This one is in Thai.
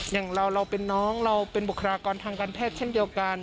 อย่างเราเราเป็นน้องเราเป็นบุคลากรทางการแพทย์เช่นเดียวกัน